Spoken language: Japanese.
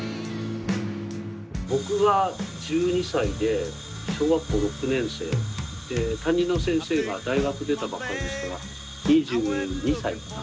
僕が１２歳で小学校６年生担任の先生が大学出たばっかりですから２２歳かな。